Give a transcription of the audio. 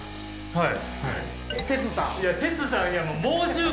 はい。